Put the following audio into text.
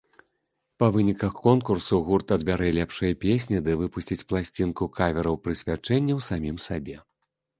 Па выніках конкурсу гурт адбярэ лепшыя песні ды выпусціць пласцінку кавераў-прысвячэнняў самім сабе.